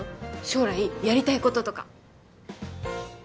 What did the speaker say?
将来やりたいこととか